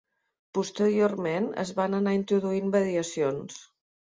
Posteriorment es van anar introduint variacions.